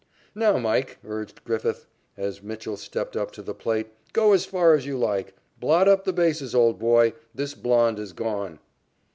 "Now, Mike," urged Griffith, as Mitchell stepped up to the plate, "go as far as you like. Blot up the bases, old boy. This blond is gone."